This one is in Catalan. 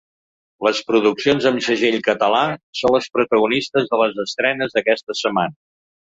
Les produccions amb segell català són les protagonistes de les estrenes d’aquesta setmana.